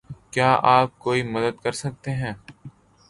کیا آپ کوئی مدد کر سکتے ہیں؟